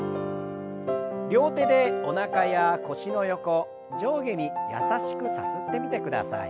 両手でおなかや腰の横上下に優しくさすってみてください。